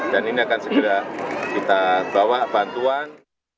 dan ini akan segera kita bawa bantuan